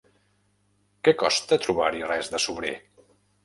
Que costa trobar-hi res de sobrer.